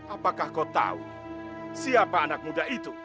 apakah kau tahu siapa anak muda itu